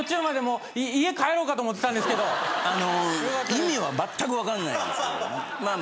意味はまったく分かんないんですけどね。